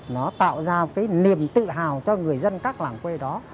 nó tạo ra cái niềm tự hào cho người dân các làng quê đó